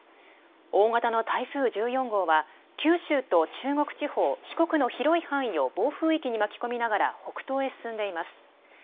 大型の台風１４号は、九州と中国地方、四国の広い範囲を暴風域に巻き込みながら、北東へ進んでいます。